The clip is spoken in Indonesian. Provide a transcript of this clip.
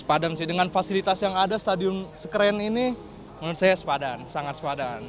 padam sih dengan fasilitas yang ada stadion sekeren ini menurut saya sepadan sangat sepadan